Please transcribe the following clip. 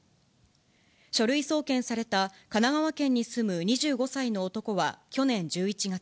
書類送検された神奈川県に住む２５歳の男は去年１１月、